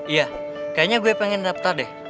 iya kayaknya gue pengen daftar deh